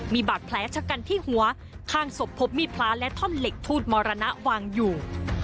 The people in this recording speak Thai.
มีบาดแผลชะกันที่หัวข้างศพพบมีดพระและท่อนเหล็กทูตมรณะวางอยู่